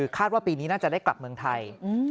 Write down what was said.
คาดว่าปีนี้น่าจะได้กลับเมืองไทย